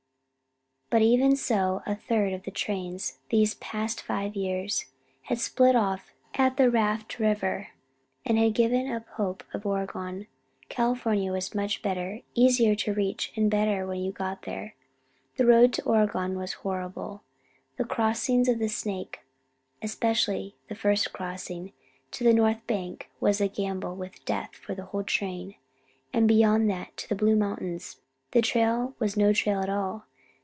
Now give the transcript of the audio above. But even so, a third of the trains, these past five years, had split off at the Raft River and given up hope of Oregon. California was much better easier to reach and better when you got there. The road to Oregon was horrible. The crossings of the Snake, especially the first crossing, to the north bank, was a gamble with death for the whole train. And beyond that, to the Blue Mountains, the trail was no trail at all.